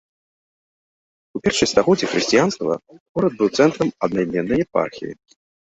У першыя стагоддзі хрысціянства горад быў цэнтрам аднайменнай епархіі.